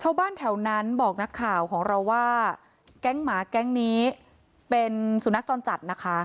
ชาวบ้านแถวนั้นบอกนักข่าวของเราว่าแก๊งหมาแก๊งนี้เป็นสุนัขจรจัดนะคะ